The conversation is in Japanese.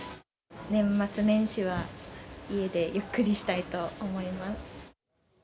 年末年始は、家でゆっくりしたいと思います。